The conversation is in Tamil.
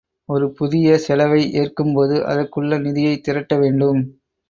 ஒரு புதிய செலவை ஏற்கும்போது அதற்குள்ள நிதியைத் திரட்ட வேண்டும்.